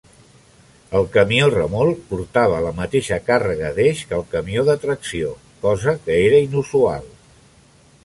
El camió remolc portava la mateixa càrrega d'eix que el camió de tracció, cosa que era inusual.